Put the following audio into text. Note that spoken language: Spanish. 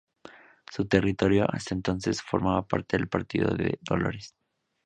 Su territorio, hasta entonces, formaba parte del partido de Dolores.